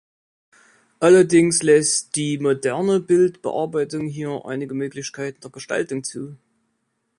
Allerdings lässt die moderne Bildbearbeitung hier einige Möglichkeiten der Gestaltung zu.